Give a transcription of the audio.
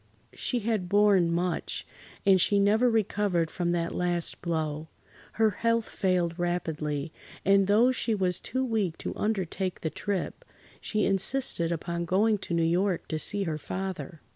She had borne much, and she never recovered from that last blow. Her health failed rapidly, and though she was too weak to undertake the trip, she insisted upon going to New York to see her father.